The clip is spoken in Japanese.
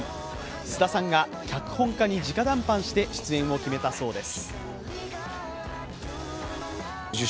菅田さんが脚本家に直談判して出演を決めたそうです。